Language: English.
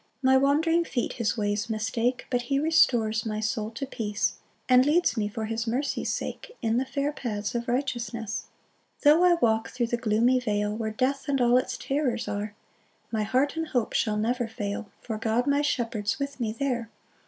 3 My wandering feet his ways mistake, But he restores my soul to peace, And leads me for his mercy's sake, In the fair paths of righteousness. 4 Tho' I walk thro' the gloomy vale, Where death and all its terrors are, My heart and hope shall never fail, For God my shepherd's with me there.